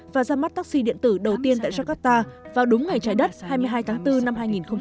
và ra mắt taxi điện tử đầu tiên tại jakarta vào đúng ngày trái đất hai mươi hai tháng bốn năm hai nghìn hai mươi